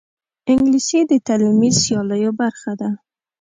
انګلیسي د تعلیمي سیالیو برخه ده